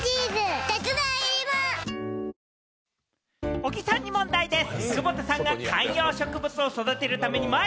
小木さんに問題でぃす！